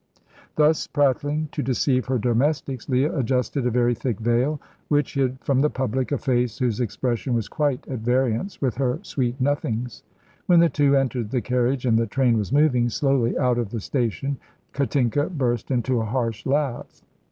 Thus prattling to deceive her domestics, Leah adjusted a very thick veil, which hid from the public a face whose expression was quite at variance with her sweet nothings. When the two entered the carriage and the train was moving slowly out of the station, Katinka burst into a harsh laugh.